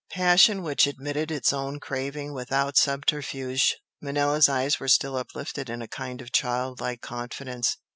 passion which admitted its own craving without subterfuge. Manella's eyes were still uplifted in a kind of childlike confidence.